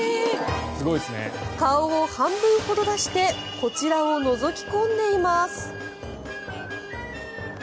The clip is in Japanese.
顔を半分ほど出してこちらをのぞき込んでいます。